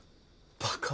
バカ。